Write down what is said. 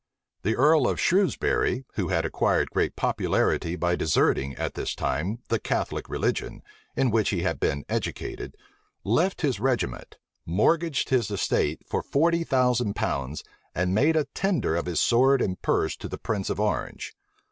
The earl of Shrewsbury, who had acquired great popularity by deserting, at this time, the Catholic religion, in which he had been educated, left his regiment, mortgaged his estate for forty thousand pounds, and made a tender of his sword and purse to the prince of Orange.